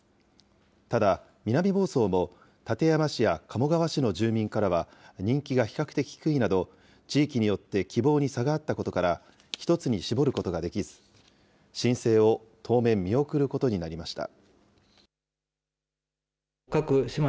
ただ、南房総も館山市や鴨川市の住民からは人気が比較的低いなど、地域によって希望に差があったことから、１つに絞ることができず、申請を当面、見送ることになりました。